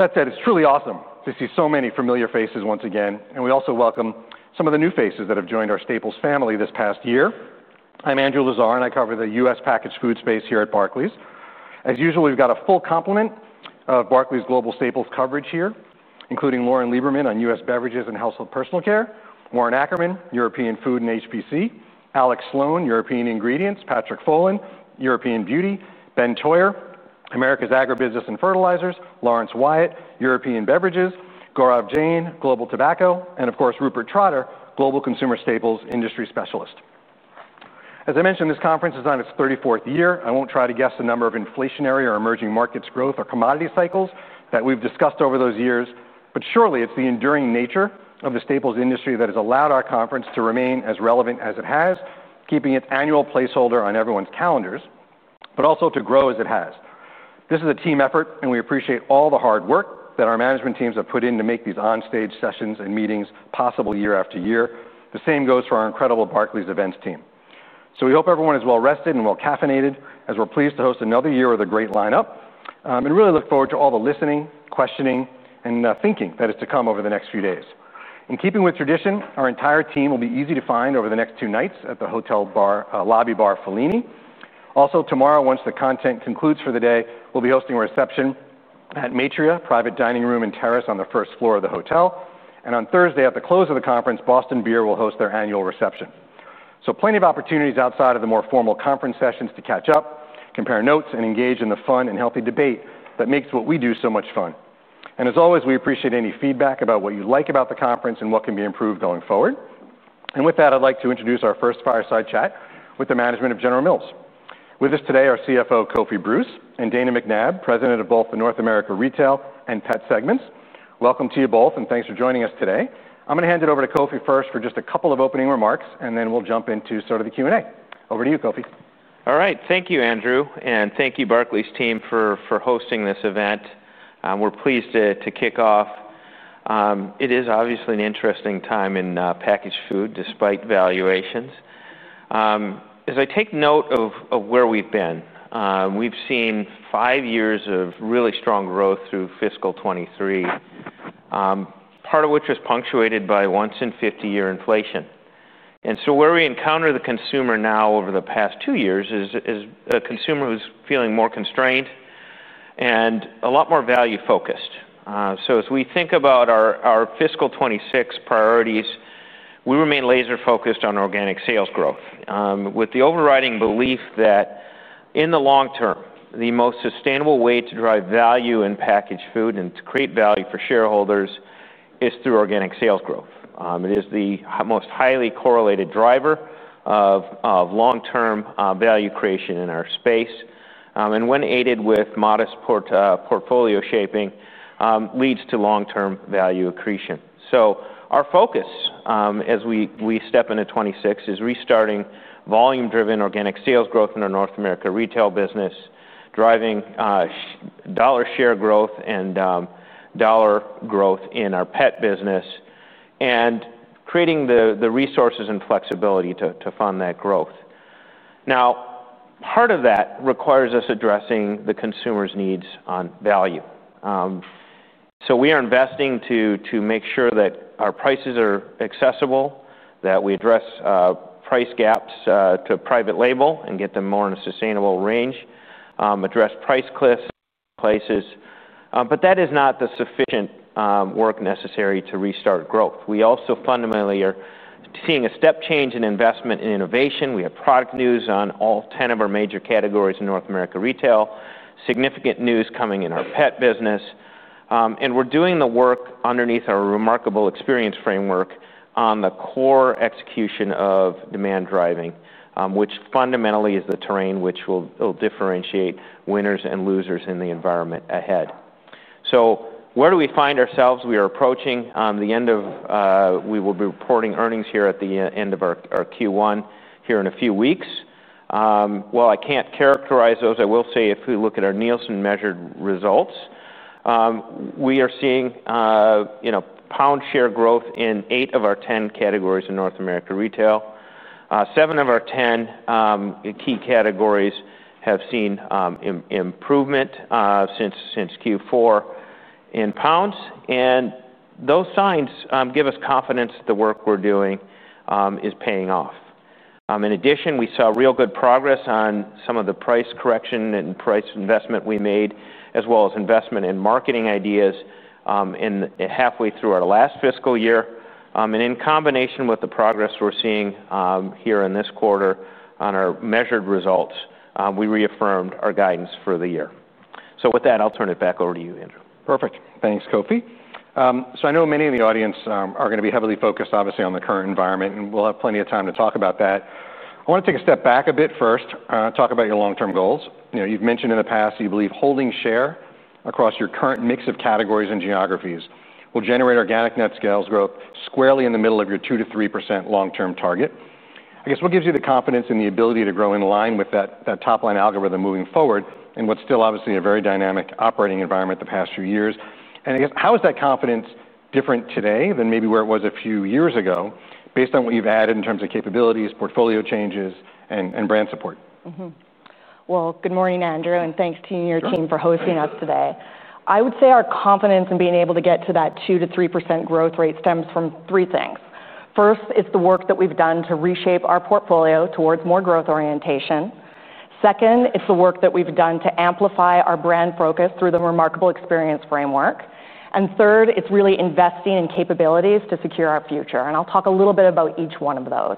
That's it. It's truly awesome to see so many familiar faces once again. We also welcome some of the new faces that have joined our Staples family this past year. I'm Andrew Lazar, and I cover the U.S. Packaged Food Space here at Barclays. As usual, we've got a full complement of Barclays Global Staples coverage here, including Lauren Lieberman on U.S. Beverages and Household Personal Care, Warren Ackerman, European Food and HPC, Alex Sloane, European Ingredients, Patrick Folland, European Beauty, Ben Troyer, America's Agri Business and Fertilizers, Laurence Whyatt, European Beverages, Gaurav Jain, Global Tobacco, and of course, Rupert Trotter, Global Consumer Staples Industry Specialist. As I mentioned, this conference is on its 34th year. I won't try to guess the number of inflationary or emerging markets growth or commodity cycles that we've discussed over those years, but surely it's the enduring nature of the Staples industry that has allowed our conference to remain as relevant as it has, keeping its annual placeholder on everyone's calendars, but also to grow as it has. This is a team effort, and we appreciate all the hard work that our management teams have put in to make these onstage sessions and meetings possible year- after- year. The same goes for our incredible Barclays Events team. We hope everyone is well rested and well caffeinated, as we're pleased to host another year with a great lineup and really look forward to all the listening, questioning, and thinking that is to come over the next few days. In keeping with tradition, our entire team will be easy to find over the next two nights at the hotel lobby bar, Filini. Also, tomorrow, once the content concludes for the day, we'll be hosting a reception at Matria, a private dining room and terrace on the first floor of the hotel. On Thursday, at the close of the conference, Boston Beer will host their annual reception. There are plenty of opportunities outside of the more formal conference sessions to catch up, compare notes, and engage in the fun and healthy debate that makes what we do so much fun. As always, we appreciate any feedback about what you like about the conference and what can be improved going forward. With that, I'd like to introduce our first fireside chat with the management of General Mills. With us today are CFO Kofi Bruce and Dana McNabb, President of both the North America Retail and Pet segments. Welcome to you both, and thanks for joining us today. I'm going to hand it over to Kofi first for just a couple of opening remarks, and then we'll jump into sort of the Q&A. Over to you, Kofi. All right. Thank you, Andrew, and thank you, Barclays team, for hosting this event. We're pleased to kick off. It is obviously an interesting time in Packaged Food, despite valuations. As I take note of where we've been, we've seen five years of really strong growth through fiscal 2023, part of which was punctuated by once-in-50-year inflation. Where we encounter the consumer now over the past two years is a consumer who's feeling more constrained and a lot more value-focused. As we think about our fiscal 2026 priorities, we remain laser-focused on organic sales growth, with the overriding belief that in the long term, the most sustainable way to drive value in packaged food and to create value for shareholders is through organic sales growth. It is the most highly correlated driver of long-term value creation in our space. When aided with modest portfolio shaping, it leads to long-term value accretion. Our focus as we step into 2026 is restarting volume-driven organic sales growth in our North America retail business, driving dollar share growth and dollar growth in our Pet business, and creating the resources and flexibility to fund that growth. Part of that requires us addressing the consumer's needs on value. We are investing to make sure that our prices are accessible, that we address price gaps to private label and get them more in a sustainable range, address price cliffs places. That is not the sufficient work necessary to restart growth. We also fundamentally are seeing a step change in investment and innovation. We have product news on all 10 of our major categories in North America retail, significant news coming in our Pet business. We're doing the work underneath our remarkable experience framework on the core execution of demand driving, which fundamentally is the terrain which will differentiate winners and losers in the environment ahead. Where do we find ourselves? We are approaching the end of we will be reporting earnings here at the end of our Q1 here in a few weeks. While I can't characterize those, I will say if we look at our Nielsen-measured results, we are seeing pound share growth in eight of our 10 categories in North America retail. Seven of our 10 key categories have seen improvement since Q4 in pounds. Those signs give us confidence that the work we're doing is paying off. In addition, we saw real good progress on some of the price correction and price investment we made, as well as investment in marketing ideas halfway through our last fiscal year. In combination with the progress we're seeing here in this quarter on our measured results, we reaffirmed our guidance for the year. With that, I'll turn it back over to you, Andrew. Perfect. Thanks, Kofi. I know many in the audience are going to be heavily focused, obviously, on the current environment, and we'll have plenty of time to talk about that. I want to take a step back a bit first, talk about your long-term goals. You've mentioned in the past that you believe holding share across your current mix of categories and geographies will generate organic net sales growth squarely in the middle of your 2%- 3% long-term target. I guess what gives you the confidence and the ability to grow in line with that top-line algorithm moving forward in what's still obviously a very dynamic operating environment the past few years? I guess how is that confidence different today than maybe where it was a few years ago based on what you've added in terms of capabilities, portfolio changes, and brand support? Good morning, Andrew, and thanks to you and your team for hosting us today. I would say our confidence in being able to get to that 2%- 3% growth rate stems from three things. First, it's the work that we've done to reshape our portfolio towards more growth orientation. Second, it's the work that we've done to amplify our brand focus through the remarkable experience framework. Third, it's really investing in capabilities to secure our future. I'll talk a little bit about each one of those.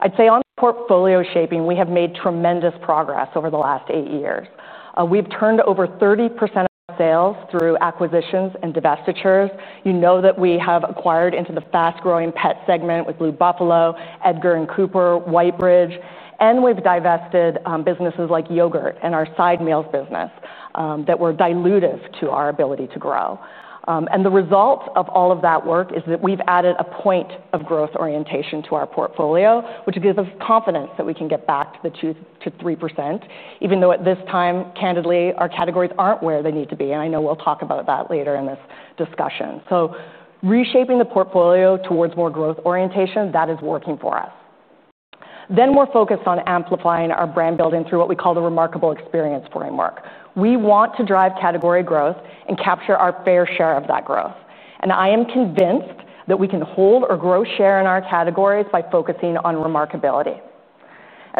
I'd say on portfolio shaping, we have made tremendous progress over the last eight years. We've turned over 30% of sales through acquisitions and divestitures. You know that we have acquired into the fast-growing pet segment with Blue Buffalo, Edgard & Cooper, Whitebridge. We've divested businesses like yogurt and our side meals business that were dilutive to our ability to grow. The result of all of that work is that we've added a point of growth orientation to our portfolio, which gives us confidence that we can get back to the 2%- 3%, even though at this time, candidly, our categories aren't where they need to be. I know we'll talk about that later in this discussion. Reshaping the portfolio towards more growth orientation, that is working for us. We're focused on amplifying our brand building through what we call the remarkable experience framework. We want to drive category growth and capture our fair share of that growth. I am convinced that we can hold or grow share in our categories by focusing on remarkability.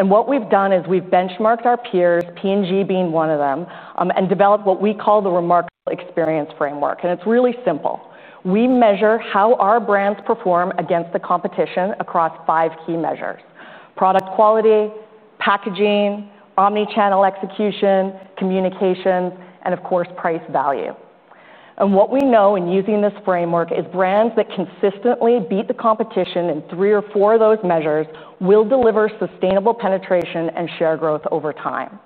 What we've done is we've benchmarked our peers, P&G being one of them, and developed what we call the remarkable experience framework. It's really simple. We measure how our brands perform against the competition across five key measures: product quality, packaging, omnichannel execution, communications, and of course, price value. What we know in using this framework is brands that consistently beat the competition in three or four of those measures will deliver sustainable penetration and share growth over time.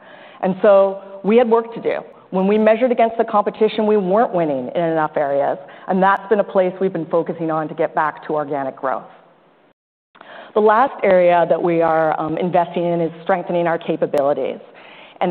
We had work to do. When we measured against the competition, we weren't winning in enough areas. That's been a place we've been focusing on to get back to organic growth. The last area that we are investing in is strengthening our capabilities.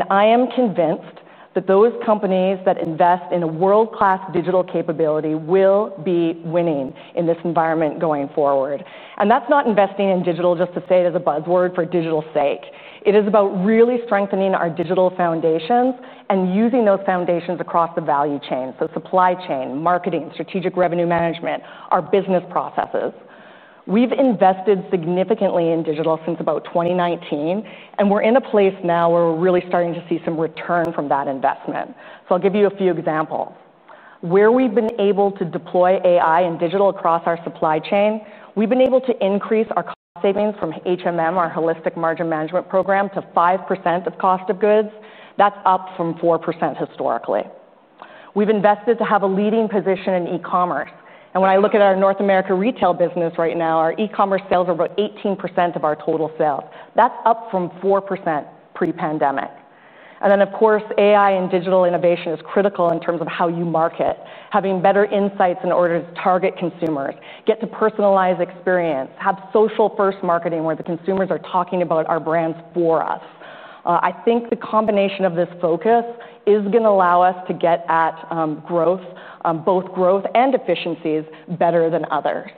I am convinced that those companies that invest in a world-class digital capability will be winning in this environment going forward. That is not investing in digital just to say it is a buzzword for digital sake. It is about really strengthening our digital foundations and using those foundations across the value chain, so supply chain, marketing, strategic revenue management, our business processes. We've invested significantly in digital since about 2019, and we're in a place now where we're really starting to see some return from that investment. I'll give you a few examples. Where we've been able to deploy AI and digital across our supply chain, we've been able to increase our cost savings from our holistic margin management program to 5% of cost of goods. That's up from 4% historically. We've invested to have a leading position in e-commerce, and when I look at our North America retail business right now, our e-commerce sales are about 18% of our total sales. That's up from 4% pre-pandemic. Of course, AI and digital innovation is critical in terms of how you market, having better insights in order to target consumers, get to personalized experience, have social-first marketing where the consumers are talking about our brands for us. I think the combination of this focus is going to allow us to get at growth, both growth and efficiencies, better than others.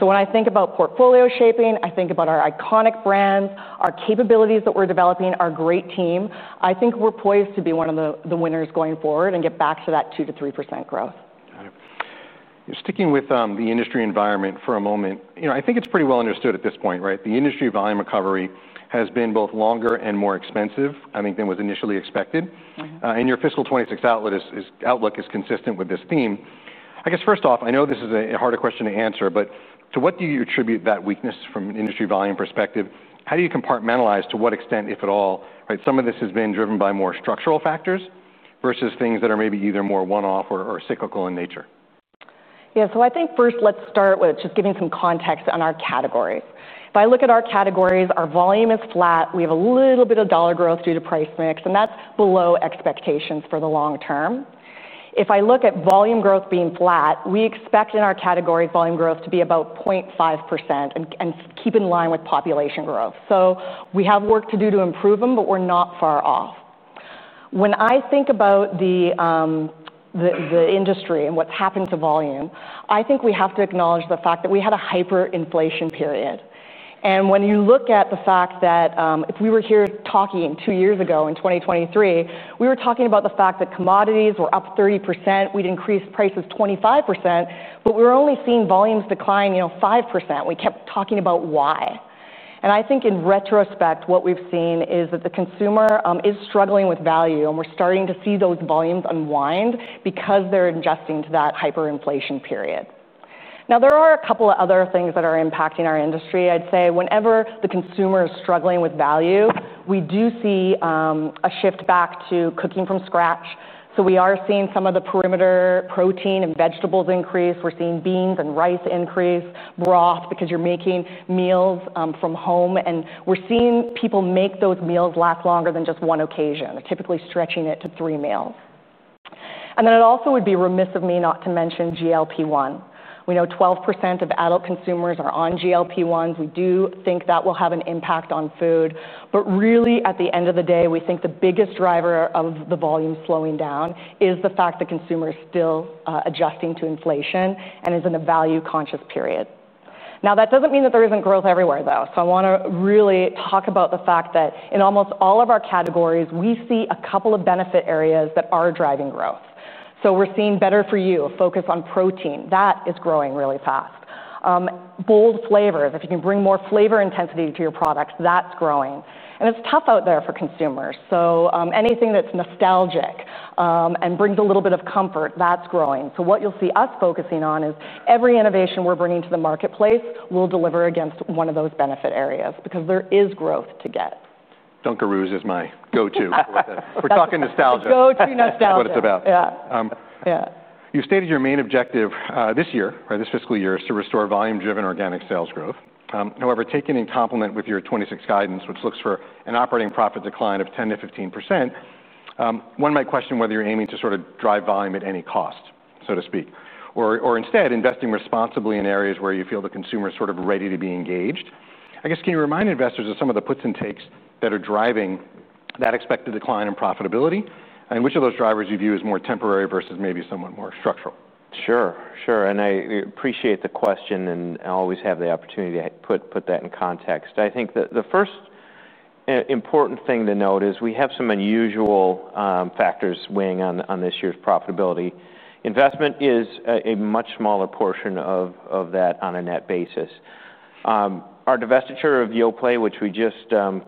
When I think about portfolio shaping, I think about our iconic brands, our capabilities that we're developing, our great team. I think we're poised to be one of the winners going forward and get back to that 2%- 3% growth. Got it. Sticking with the industry environment for a moment, I think it's pretty well understood at this point, right? The industry volume recovery has been both longer and more expensive than was initially expected. Your fiscal 2026 outlook is consistent with this theme. I guess first off, I know this is a harder question to answer, but to what do you attribute that weakness from an industry volume perspective? How do you compartmentalize to what extent, if at all, some of this has been driven by more structural factors versus things that are maybe either more one-off or cyclical in nature? Yeah, I think first let's start with just giving some context on our categories. If I look at our categories, our volume is flat. We have a little bit of dollar growth due to price mix, and that's below expectations for the long term. If I look at volume growth being flat, we expect in our categories volume growth to be about 0.5% and keep in line with population growth. We have work to do to improve them, but we're not far off. When I think about the industry and what's happened to volume, I think we have to acknowledge the fact that we had a hyperinflation period. If we were here talking two years ago in 2023, we were talking about the fact that commodities were up 30%, we'd increased prices 25%, but we were only seeing volumes decline 5%. We kept talking about why. I think in retrospect, what we've seen is that the consumer is struggling with value, and we're starting to see those volumes unwind because they're adjusting to that hyperinflation period. There are a couple of other things that are impacting our industry. I'd say whenever the consumer is struggling with value, we do see a shift back to cooking from scratch. We are seeing some of the perimeter protein and vegetables increase. We're seeing beans and rice increase, broth, because you're making meals from home. We're seeing people make those meals last longer than just one occasion. They're typically stretching it to three meals. It also would be remiss of me not to mention GLP-1. We know 12% of adult consumers are on GLP-1s. We do think that will have an impact on food. At the end of the day, we think the biggest driver of the volume slowing down is the fact that consumers are still adjusting to inflation and are in a value-conscious period. That doesn't mean that there isn't growth everywhere, though. I want to really talk about the fact that in almost all of our categories, we see a couple of benefit areas that are driving growth. We're seeing better for you, a focus on protein. That is growing really fast. Bold flavors, if you can bring more flavor intensity to your products, that's growing. It's tough out there for consumers. Anything that's nostalgic and brings a little bit of comfort, that's growing. What you'll see us focusing on is every innovation we're bringing to the marketplace will deliver against one of those benefit areas because there is growth to get. Dunkaroos is my go-to. We're talking nostalgia. Go-to nostalgia. That's what it's about. Yeah. You stated your main objective this year, or this fiscal year, is to restore volume-driven organic sales growth. However, taken in complement with your FY 2026 guidance, which looks for an operating profit decline of 10%- 15%, one might question whether you're aiming to sort of drive volume at any cost, so to speak, or instead investing responsibly in areas where you feel the consumer is sort of ready to be engaged. I guess, can you remind investors of some of the puts and takes that are driving that expected decline in profitability? Which of those drivers do you view as more temporary versus maybe somewhat more structural? Sure, sure. I appreciate the question, and I always have the opportunity to put that in context. I think the first important thing to note is we have some unusual factors weighing on this year's profitability. Investment is a much smaller portion of that on a net basis. Our divestiture of Yoplait, which we just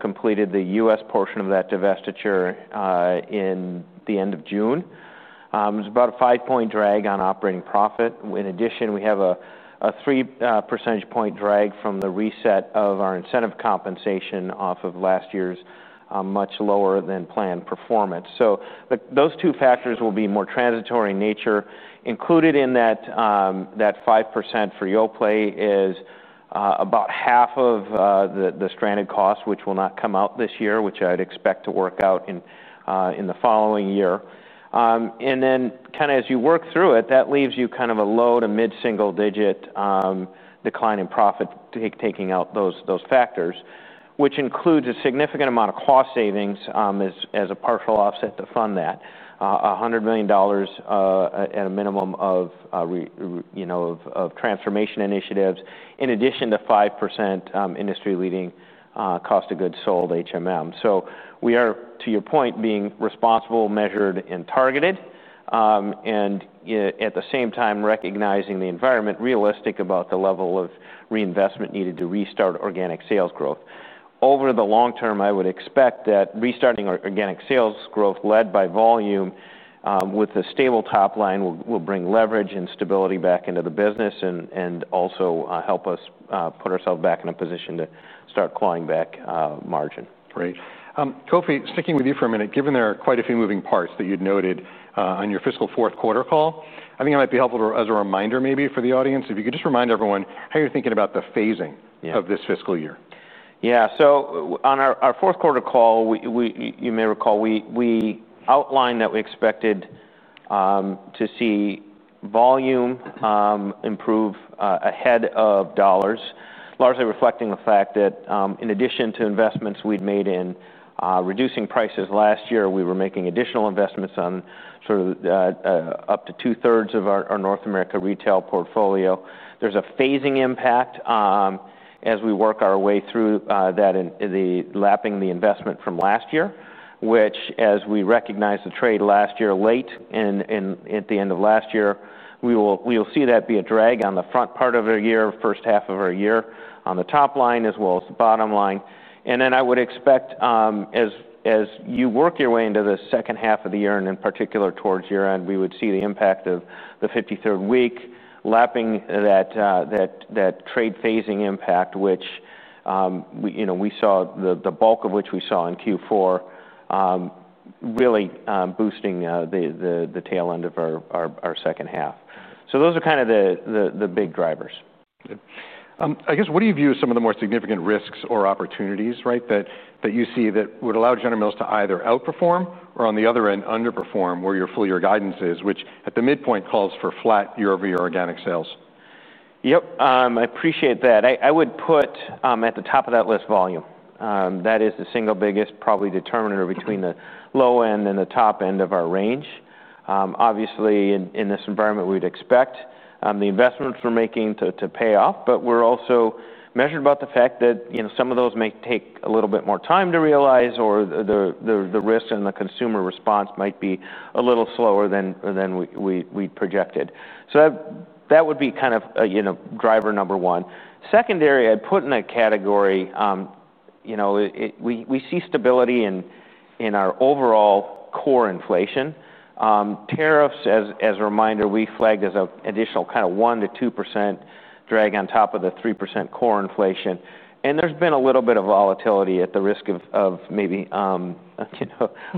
completed the U.S. portion of that divestiture at the end of June, is about a 5% drag on operating profit. In addition, we have a 3% drag from the reset of our incentive compensation off of last year's much lower-than-planned performance. Those two factors will be more transitory in nature. Included in that 5% for Yoplait is about half of the stranded costs, which will not come out this year, which I'd expect to work out in the following year. As you work through it, that leaves you a low to mid-single-digit decline in profit taking out those factors, which includes a significant amount of cost savings as a partial offset to fund that, $100 million at a minimum of transformation initiatives, in addition to 5% industry-leading cost of goods sold. We are, to your point, being responsible, measured, and targeted, and at the same time, recognizing the environment, realistic about the level of reinvestment needed to restart organic sales growth. Over the long- term, I would expect that restarting organic sales growth led by volume with a stable top line will bring leverage and stability back into the business and also help us put ourselves back in a position to start clawing back margin. Great. Kofi, sticking with you for a minute, given there are quite a few moving parts that you'd noted on your fiscal fourth quarter call, I think it might be helpful as a reminder for the audience if you could just remind everyone how you're thinking about the phasing of this fiscal year. Yeah, on our fourth quarter call, you may recall, we outlined that we expected to see volume improve ahead of dollars, largely reflecting the fact that in addition to investments we'd made in reducing prices last year, we were making additional investments on up to two-thirds of our North America retail portfolio. There's a phasing impact as we work our way through that and lapping the investment from last year, which as we recognize the trade last year late and at the end of last year, we will see that be a drag on the front part of our year, first half of our year on the top line as well as the bottom line. I would expect as you work your way into the second half of the year and in particular towards year end, we would see the impact of the 53rd week lapping that trade phasing impact, the bulk of which we saw in Q4 really boosting the tail end of our second half. Those are kind of the big drivers. I guess what do you view as some of the more significant risks or opportunities that you see that would allow General Mills to either outperform or on the other end underperform where your full year guidance is, which at the midpoint calls for flat year-over-year organic sales? Yep, I appreciate that. I would put at the top of that list volume. That is the single biggest probably determiner between the low end and the top end of our range. Obviously, in this environment, we'd expect the investments we're making to pay off, but we're also measured about the fact that some of those may take a little bit more time to realize or the risk and the consumer response might be a little slower than we projected. That would be kind of driver number one. Secondary, I'd put in that category, we see stability in our overall core inflation. Tariffs, as a reminder, we flagged as an additional kind of 1%- 2% drag on top of the 3% core inflation. There's been a little bit of volatility at the risk of maybe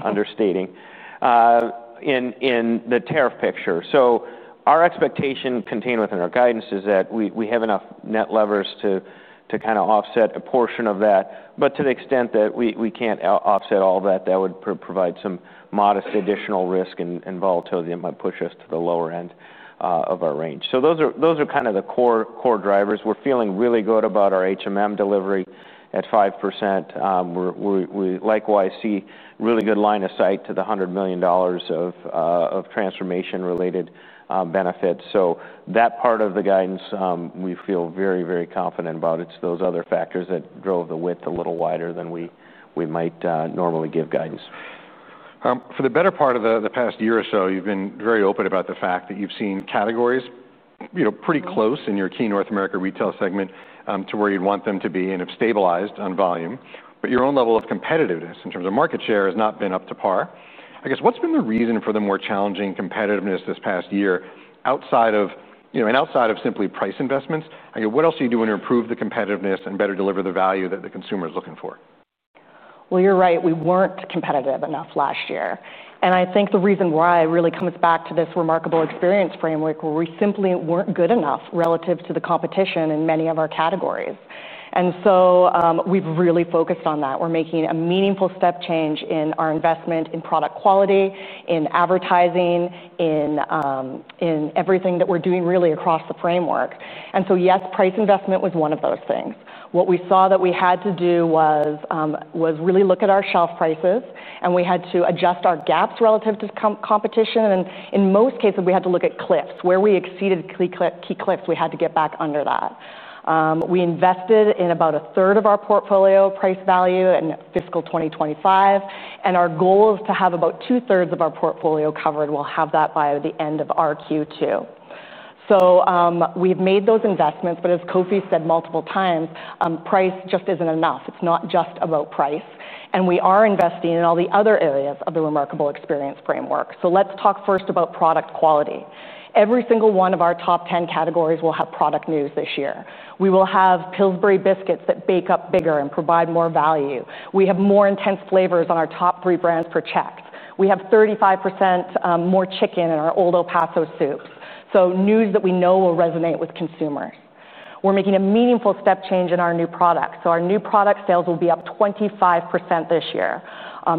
understating in the tariff picture. Our expectation contained within our guidance is that we have enough net levers to kind of offset a portion of that, but to the extent that we can't offset all of that, that would provide some modest additional risk and volatility that might push us to the lower end of our range. Those are kind of the core drivers. We're feeling really good about our delivery at 5%. We likewise see really good line of sight to the $100 million of transformation-related benefits. That part of the guidance, we feel very, very confident about. It's those other factors that drove the width a little wider than we might normally give guidance. For the better part of the past year or so, you've been very open about the fact that you've seen categories pretty close in your key North America retail segment to where you'd want them to be and have stabilized on volume. Your own level of competitiveness in terms of market share has not been up to par. What's been the reason for the more challenging competitiveness this past year outside of simply price investments? What else are you doing to improve the competitiveness and better deliver the value that the consumer is looking for? You're right. We weren't competitive enough last year. I think the reason why really comes back to this remarkable experience framework, where we simply weren't good enough relative to the competition in many of our categories. We have really focused on that. We're making a meaningful step change in our investment in product quality, in advertising, in everything that we're doing across the framework. Yes, price investment was one of those things. What we saw that we had to do was really look at our shelf prices, and we had to adjust our gaps relative to competition. In most cases, we had to look at cliffs. Where we exceeded key cliffs, we had to get back under that. We invested in about 1/3 of our portfolio price value in fiscal 2025, and our goal is to have about 2/3 of our portfolio covered. We'll have that by the end of our Q2. We've made those investments, but as Kofi said multiple times, price just isn't enough. It's not just about price. We are investing in all the other areas of the remarkable experience framework. Let's talk first about product quality. Every single one of our top 10 categories will have product news this year. We will have Pillsbury biscuits that bake up bigger and provide more value. We have more intense flavors on our top three brands per check. We have 35% more chicken in our Old El Paso soups, so news that we know will resonate with consumers. We're making a meaningful step change in our new products, so our new product sales will be up 25% this year.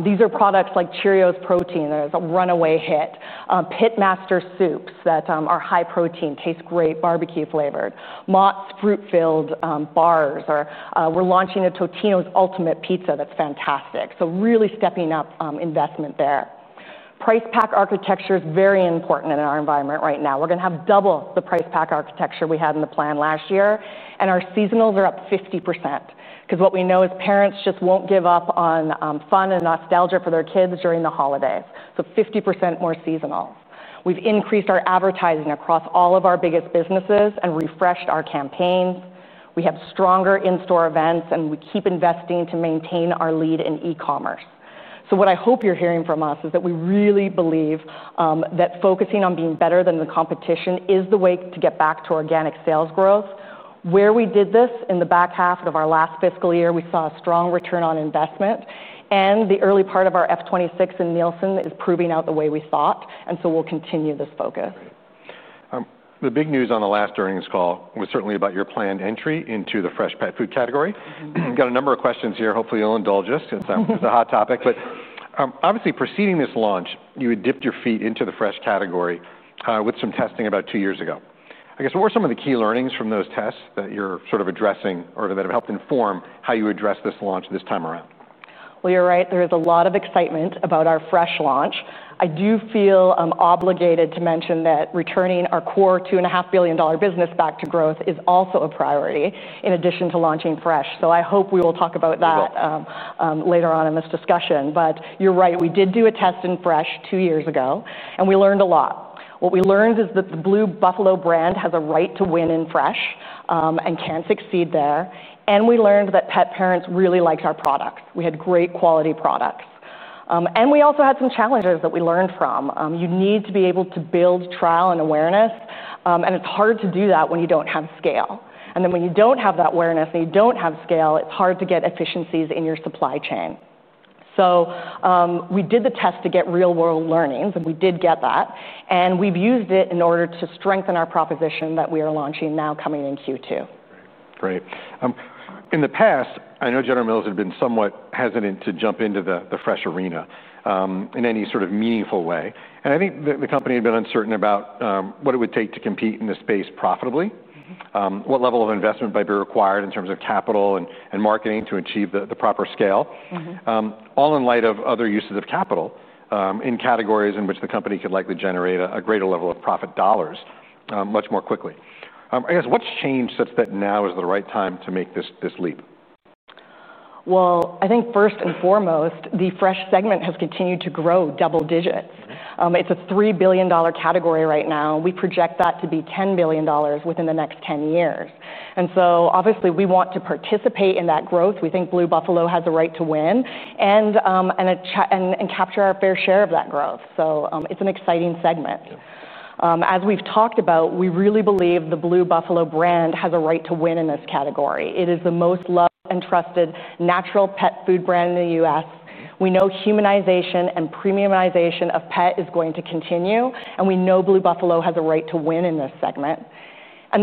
These are products like Cheerios Protei n that is a runaway hit, Pitmaster soups that are high protein, taste great, barbecue flavored, Mott's Fruit-Filled Bars. We're launching a Totino’s Ultimate Pizza that's fantastic, really stepping up investment there. Price pack architecture is very important in our environment right now. We're going to have double the price pack architecture we had in the plan last year. Our seasonals are up 50% because what we know is parents just won't give up on fun and nostalgia for their kids during the holidays, so 50% more seasonal. We've increased our advertising across all of our biggest businesses and refreshed our campaigns. We have stronger in-store events, and we keep investing to maintain our lead in e-commerce. What I hope you're hearing from us is that we really believe that focusing on being better than the competition is the way to get back to organic sales growth. Where we did this in the back half of our last fiscal year, we saw a strong return on investment, and the early part of our FY 2026 and Nielsen is proving out the way we thought. We'll continue this focus. The big news on the last earnings call was certainly about your planned entry into the fresh pet food category. I've got a number of questions here. Hopefully, you'll indulge us. It's a hot topic. Obviously, preceding this launch, you had dipped your feet into the fresh category with some testing about two years ago. I guess what were some of the key learnings from those tests that you're sort of addressing or that have helped inform how you address this launch this time around? You are right. There is a lot of excitement about our fresh launch. I do feel obligated to mention that returning our core $2.5 billion business back to growth is also a priority in addition to launching fresh. I hope we will talk about that later on in this discussion. You are right. We did do a test in fresh two years ago, and we learned a lot. What we learned is that the Blue Buffalo brand has a right to win in fresh and can succeed there. We learned that pet parents really liked our products. We had great quality products. We also had some challenges that we learned from. You need to be able to build trial and awareness. It is hard to do that when you do not have scale. When you do not have that awareness and you do not have scale, it is hard to get efficiencies in your supply chain. We did the test to get real-world learnings, and we did get that. We have used it in order to strengthen our proposition that we are launching now coming in Q2. Great. In the past, I know General Mills had been somewhat hesitant to jump into the fresh arena in any sort of meaningful way. I think the company had been uncertain about what it would take to compete in the space profitably, what level of investment might be required in terms of capital and marketing to achieve the proper scale, all in light of other uses of capital in categories in which the company could likely generate a greater level of profit dollars much more quickly. I guess what's changed such that now is the right time to make this leap? First and foremost, the fresh segment has continued to grow double digits. It's a $3 billion category right now. We project that to be $10 billion within the next 10 years. Obviously, we want to participate in that growth. We think Blue Buffalo has a right to win and capture our fair share of that growth. It's an exciting segment. As we've talked about, we really believe the Blue Buffalo brand has a right to win in this category. It is the most loved and trusted natural pet food brand in the U.S. We know humanization and premiumization of pet is going to continue. We know Blue Buffalo has a right to win in this segment.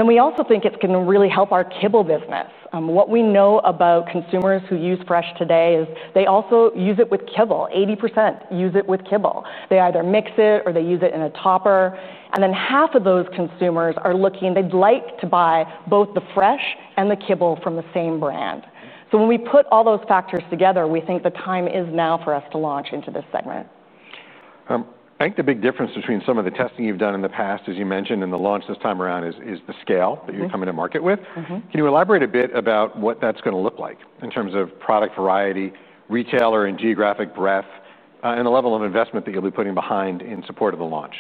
We also think it's going to really help our kibble business. What we know about consumers who use Fresh today is they also use it with kibble. 80% use it with kibble. They either mix it or they use it in a topper. Half of those consumers are looking, they'd like to buy both the Fresh and the kibble from the same brand. When we put all those factors together, we think the time is now for us to launch into this segment. I think the big difference between some of the testing you've done in the past, as you mentioned, and the launch this time around is the scale that you're coming to market with. Can you elaborate a bit about what that's going to look like in terms of product variety, retailer, and geographic breadth, and the level of investment that you'll be putting behind in support of the launch?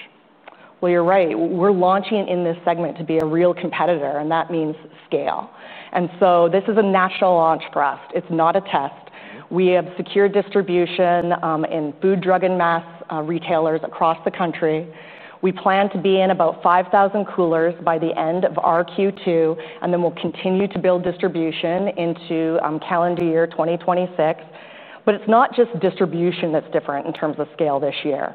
You're right. We're launching in this segment to be a real competitor, and that means scale. This is a national launch draft. It's not a test. We have secured distribution in food, drug, and mass retailers across the country. We plan to be in about 5,000 coolers by the end of our Q2, and we'll continue to build distribution into calendar year 2026. It's not just distribution that's different in terms of scale this year.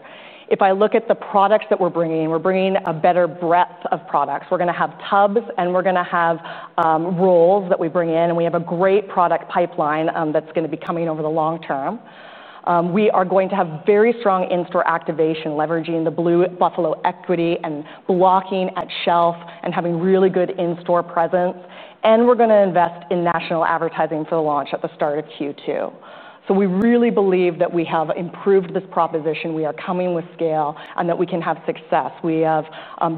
If I look at the products that we're bringing, we're bringing a better breadth of products. We're going to have tubs, and we're going to have rolls that we bring in. We have a great product pipeline that's going to be coming over the long term. We are going to have very strong in-store activation, leveraging the Blue Buffalo equity and blocking at shelf and having really good in-store presence. We're going to invest in national advertising for the launch at the start of Q2. We really believe that we have improved this proposition. We are coming with scale and that we can have success. We have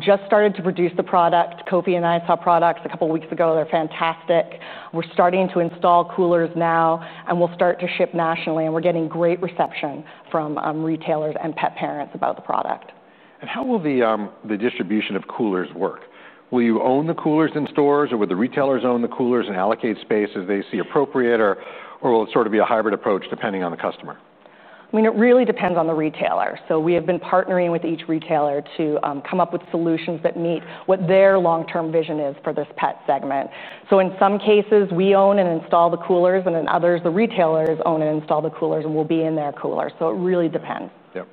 just started to produce the product. Kofi and I saw products a couple of weeks ago. They're fantastic. We're starting to install coolers now, and we'll start to ship nationally. We're getting great reception from retailers and pet parents about the product. How will the distribution of coolers work? Will you own the coolers in stores, or will the retailers own the coolers and allocate space as they see appropriate? Will it sort of be a hybrid approach depending on the customer? It really depends on the retailer. We have been partnering with each retailer to come up with solutions that meet what their long-term vision is for this pet segment. In some cases, we own and install the coolers, and in others, the retailers own and install the coolers and will be in their cooler. It really depends. Yep.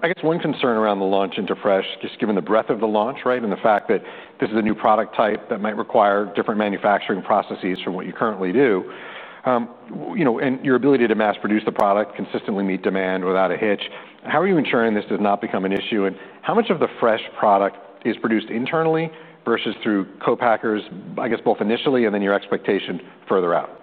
I guess one concern around the launch into fresh, just given the breadth of the launch, right, and the fact that this is a new product type that might require different manufacturing processes from what you currently do, and your ability to mass produce the product, consistently meet demand without a hitch, how are you ensuring this does not become an issue? How much of the fresh product is produced internally versus through co-packers, I guess both initially and then your expectation further out?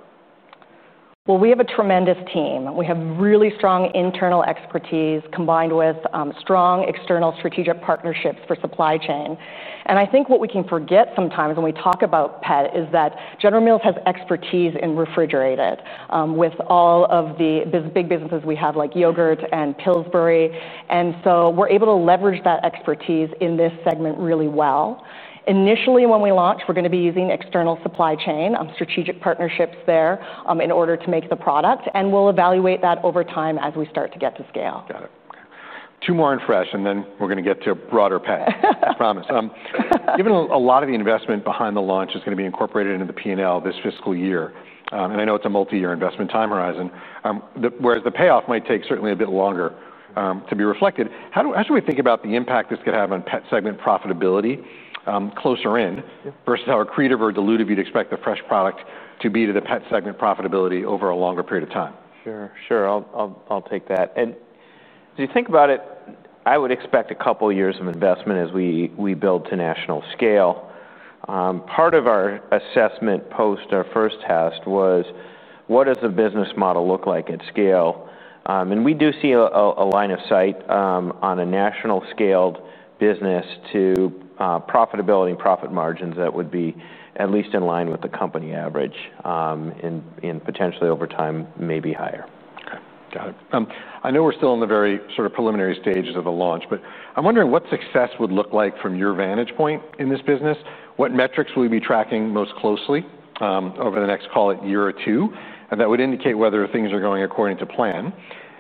We have a tremendous team. We have really strong internal expertise combined with strong external strategic partnerships for supply chain. I think what we can forget sometimes when we talk about pet is that General Mills has expertise in refrigerated with all of the big businesses we have like Yogurt and Pillsbury. We're able to leverage that expertise in this segment really well. Initially, when we launch, we're going to be using external supply chain strategic partnerships there in order to make the product. We'll evaluate that over time as we start to get to scale. Got it. Two more in fresh, and then we're going to get to a broader pet. I promise. Given a lot of the investment behind the launch is going to be incorporated into the P&L this fiscal year, and I know it's a multi-year investment time horizon, whereas the payoff might take certainly a bit longer to be reflected, how should we think about the impact this could have on pet segment profitability closer in versus how accretive or diluted we'd expect the fresh product to be to the pet segment profitability over a longer period of time? Sure. I'll take that. If you think about it, I would expect a couple of years of investment as we build to national scale. Part of our assessment post our first test was what does the business model look like at scale? We do see a line of sight on a national-scaled business to profitability and profit margins that would be at least in line with the company average and potentially over time may be higher. Got it. I know we're still in the very sort of preliminary stages of the launch, but I'm wondering what success would look like from your vantage point in this business. What metrics will we be tracking most closely over the next, call it, year or two? That would indicate whether things are going according to plan.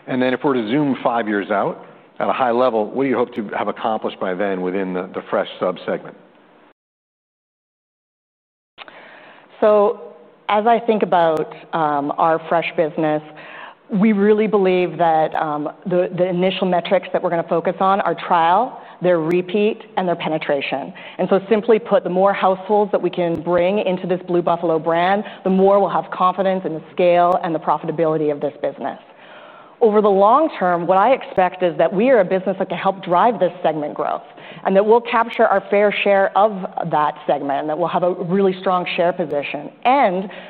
If we were to zoom five years out at a high level, what do you hope to have accomplished by then within the fresh subsegment? As I think about our fresh business, we really believe that the initial metrics that we're going to focus on are trial, their repeat, and their penetration. Simply put, the more households that we can bring into this Blue Buffalo brand, the more we'll have confidence in the scale and the profitability of this business. Over the long term, what I expect is that we are a business that can help drive this segment growth and that we'll capture our fair share of that segment and that we'll have a really strong share position.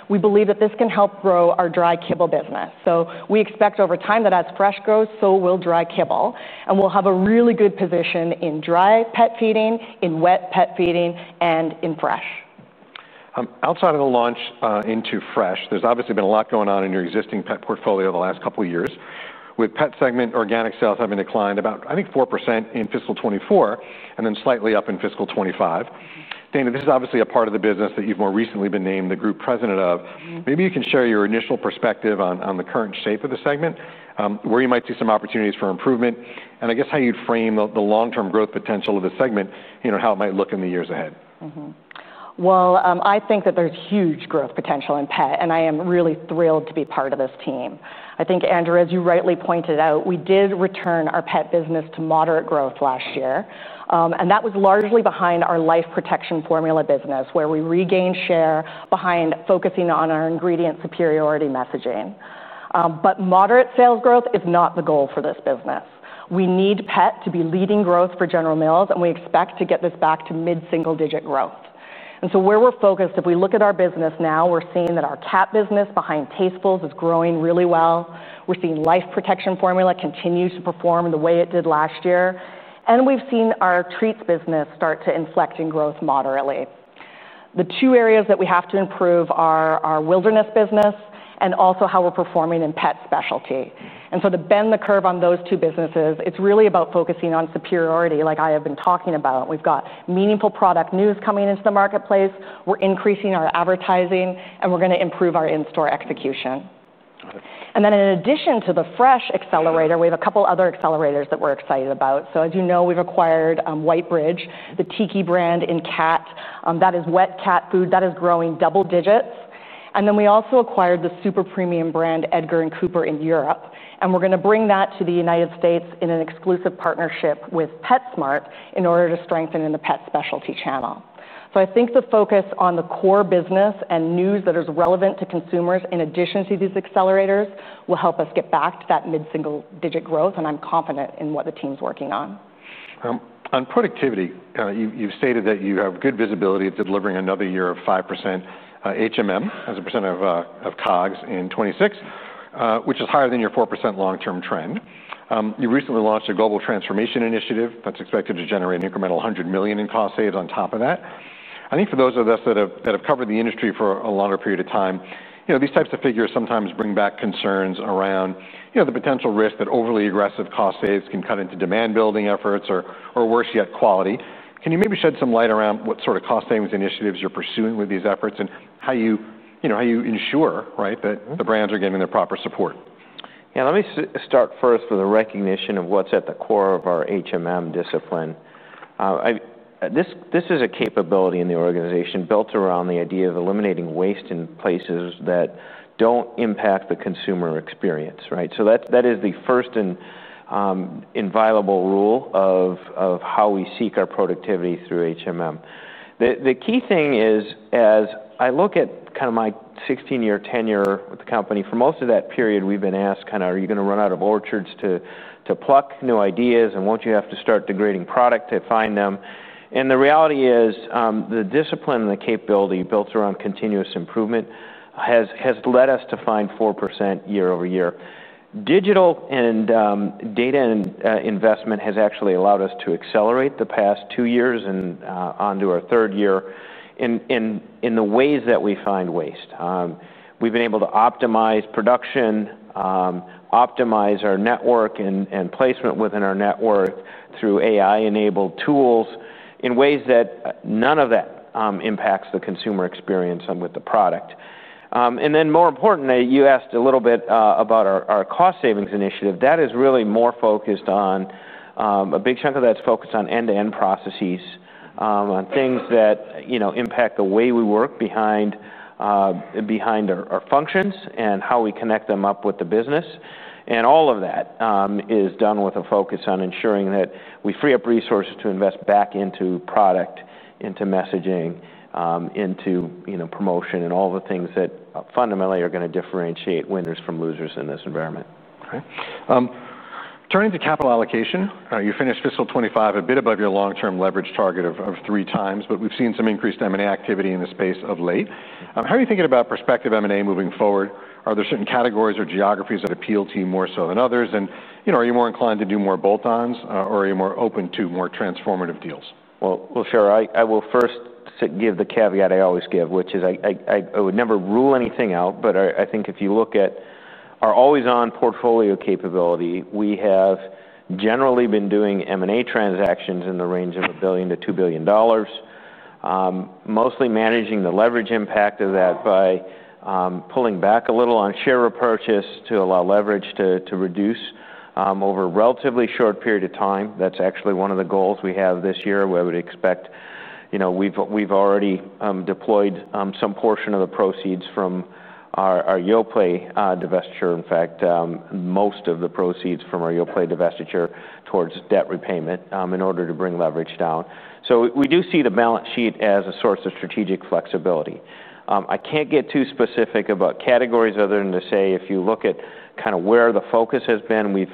We believe that this can help grow our dry kibble business. We expect over time that as fresh grows, so will dry kibble. We'll have a really good position in dry Pet feeding, in wet Pet feeding, and in Fresh. Outside of the launch into Fresh, there's obviously been a lot going on in your existing pet portfolio over the last couple of years, with pet segment organic sales having declined about 4% in fiscal 2024 and then slightly up in fiscal 2025. Dana, this is obviously a part of the business that you've more recently been named the Group President of. Maybe you can share your initial perspective on the current shape of the segment, where you might see some opportunities for improvement, and I guess how you'd frame the long-term growth potential of the segment and how it might look in the years ahead. I think that there's huge growth potential in pet, and I am really thrilled to be part of this team. I think, Andrew, as you rightly pointed out, we did return our pet business to moderate growth last year. That was largely behind our Life Protection Formula business, where we regained share behind focusing on our ingredient superiority messaging. Moderate sales growth is not the goal for this business. We need Pet to be leading growth for General Mills, and we expect to get this back to mid-single-digit growth. Where we're focused, if we look at our business now, we're seeing that our cat business behind Tastefuls is growing really well. We're seeing Life Protection Formula continue to perform the way it did last year, and we've seen our treats business start to inflect in growth moderately. The two areas that we have to improve are our Wilderness business and also how we're performing in pet specialty. To bend the curve on those two businesses, it's really about focusing on superiority, like I have been talking about. We've got meaningful product news coming into the marketplace, we're increasing our advertising, and we're going to improve our in-store execution. In addition to the fresh accelerator, we have a couple of other accelerators that we're excited about. As you know, we've acquired Whitebridge, the Tiki brand in Cat. That is wet cat food that is growing double digits. We also acquired the super premium brand Edgard & Cooper in Europe, and we're going to bring that to the United States in an exclusive partnership with PetSmart in order to strengthen in the pet specialty channel. I think the focus on the core business and news that is relevant to consumers in addition to these accelerators will help us get back to that mid-single-digit growth. I'm confident in what the team's working on. On productivity, you've stated that you have good visibility to delivering another year of 5% as a percent of COGS in 2026, which is higher than your 4% long-term trend. You recently launched a global transformation initiative that's expected to generate an incremental $100 million in cost saves on top of that. I think for those of us that have covered the industry for a longer period of time, these types of figures sometimes bring back concerns around the potential risk that overly aggressive cost saves can cut into demand-building efforts or, worse yet, quality. Can you maybe shed some light around what sort of cost-savings initiatives you're pursuing with these efforts and how you ensure that the brands are getting their proper support? Let me start first with a recognition of what's at the core of our discipline. This is a capability in the organization built around the idea of eliminating waste in places that don't impact the consumer experience. That is the first inviolable rule of how we seek our productivity. The key thing is, as I look at kind of my 16-year tenure with the company, for most of that period, we've been asked, are you going to run out of orchards to pluck new ideas? Won't you have to start degrading product to find them? The reality is the discipline and the capability built around continuous improvement has led us to find 4% year- over- year. Digital and data investment has actually allowed us to accelerate the past two years and onto our third year in the ways that we find waste. We've been able to optimize production, optimize our network and placement within our network through AI-enabled tools in ways that none of that impacts the consumer experience with the product. More importantly, you asked a little bit about our cost-savings initiative. That is really more focused on a big chunk of that's focused on end-to-end processes, on things that impact the way we work behind our functions and how we connect them up with the business. All of that is done with a focus on ensuring that we free up resources to invest back into product, into messaging, into promotion, and all the things that fundamentally are going to differentiate winners from losers in this environment. Turning to capital allocation, you finished fiscal 2025 a bit above your long-term leverage target of 3x, but we've seen some increased M&A activity in the space of late. How are you thinking about prospective M&A moving forward? Are there certain categories or geographies that appeal to you more so than others? Are you more inclined to do more bolt-ons, or are you more open to more transformative deals? I will first give the caveat I always give, which is I would never rule anything out. I think if you look at our always-on portfolio capability, we have generally been doing M&A transactions in the range of $1 billion- $2 billion, mostly managing the leverage impact of that by pulling back a little on share repurchase to allow leverage to reduce over a relatively short period of time. That's actually one of the goals we have this year. We would expect we've already deployed some portion of the proceeds from our Yoplait divestiture. In fact, most of the proceeds from our Yoplait divestiture towards debt repayment in order to bring leverage down. We do see the balance sheet as a source of strategic flexibility. I can't get too specific about categories other than to say if you look at kind of where the focus has been, we've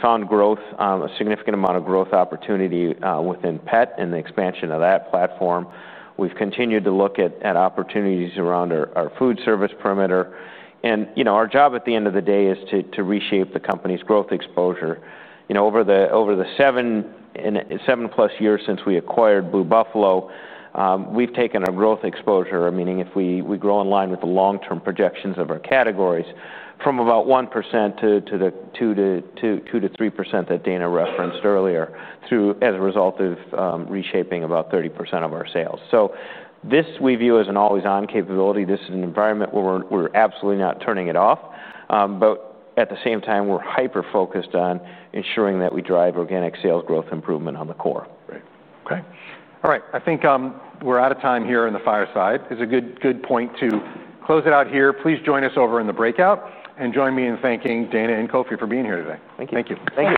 found a significant amount of growth opportunity within Pet and the expansion of that platform. We've continued to look at opportunities around our food service perimeter. Our job at the end of the day is to reshape the company's growth exposure. Over the 7+ years since we acquired Blue Buffalo, we've taken our growth exposure, meaning if we grow in line with the long-term projections of our categories, from about 1% to 2% to 3% that Dana referenced earlier, as a result of reshaping about 30% of our sales. We view this as an always-on capability. This is an environment where we're absolutely not turning it off. At the same time, we're hyper-focused on ensuring that we drive organic sales growth improvement on the core. Right. OK. All right. I think we're out of time here in the fireside. It's a good point to close it out here. Please join us over in the breakout and join me in thanking Dana and Kofi for being here today. Thank you. Thank you. Thank you.